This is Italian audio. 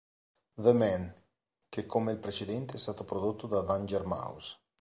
The Man, che come il precedente è stato prodotto da Danger Mouse.